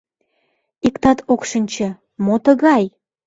Иктат ок шинче: мо тыгай.